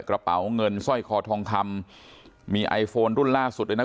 กระเป๋าเงินสร้อยคอทองคำมีไอโฟนรุ่นล่าสุดด้วยนะ